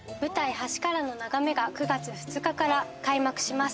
『橋からの眺め』が５月２日から開幕します。